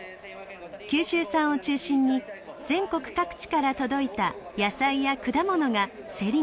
九州産を中心に全国各地から届いた野菜や果物が競りにかけられます。